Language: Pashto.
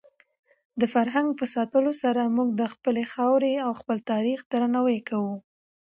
د فرهنګ په ساتلو سره موږ د خپلې خاورې او خپل تاریخ درناوی کوو.